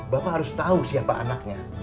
bapak harus tahu siapa anaknya